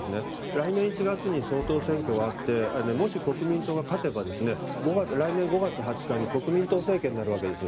来年１月に総統選挙があってもし国民党が勝てば来年５月２０日に国民党政権になるわけです。